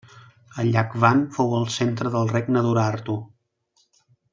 El llac Van fou el centre del Regne d'Urartu.